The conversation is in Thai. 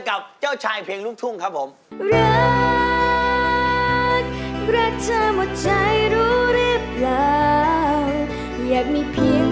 กับเจ้าชายเพลงลูกทุ่งครับผมรัก